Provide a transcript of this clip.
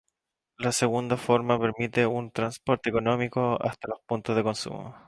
La segunda forma permite un transporte económico hasta los puntos de consumo.